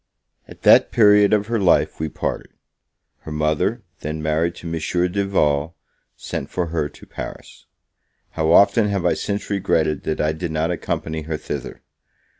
At that period of her life we parted; her mother, then married to Monsieur Duval, sent for her to Paris. How often have I since regretted that I did not accompany her thither!